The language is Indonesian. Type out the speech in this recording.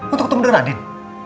untuk ketemu dengan andin